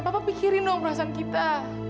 papa pikirin dong perasaan kita